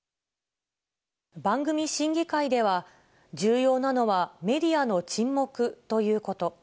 番組審議会では、重要なのは、メディアの沈黙ということ。